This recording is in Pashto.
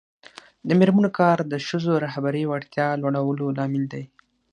د میرمنو کار د ښځو رهبري وړتیا لوړولو لامل دی.